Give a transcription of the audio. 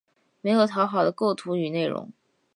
没有讨好的构图与内容